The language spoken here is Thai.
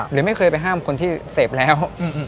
หรือไม่เคยไปห้ามคนที่เสพแล้ว